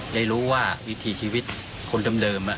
ได้รู้ว่าวิถีชีวิตคนเดิม